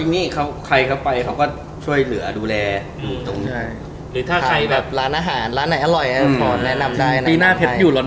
น่ะโมเม้นท์นั้น